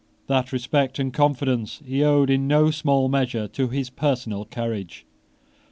That respect and confidence he owed in no small measure to his personal courage.